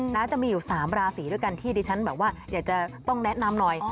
น่าจะมีอยู่๓ราศีด้วยกันที่ดิฉันแบบว่าอยากจะต้องแนะนำหน่อย